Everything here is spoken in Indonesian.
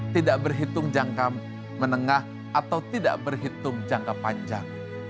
tidak berhitung jangka menengah atau tidak berhitung jangka panjang